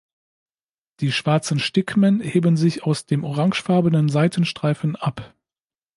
Die schwarzen Stigmen heben sich aus dem orangefarbenen Seitenstreifen ab.